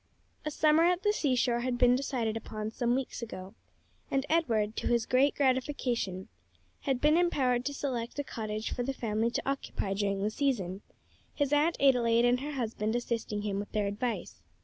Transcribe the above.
A summer at the sea shore had been decided upon some weeks ago, and Edward, to his great gratification, had been empowered to select a cottage for the family to occupy during the season, his Aunt Adelaide and her husband assisting him with their advice.